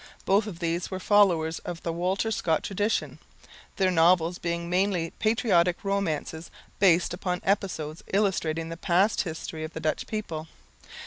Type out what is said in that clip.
Both of these were followers of the Walter Scott tradition, their novels being mainly patriotic romances based upon episodes illustrating the past history of the Dutch people.